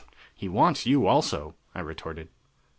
"He wants you, also," I retorted.